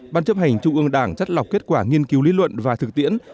ban chấp hành trung ương đảng chất lọc kết quả nghiên cứu lý luận và thực tiễn